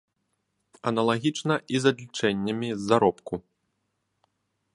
Аналагічна і з адлічэннямі з заробку.